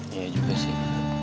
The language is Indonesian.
iya juga sih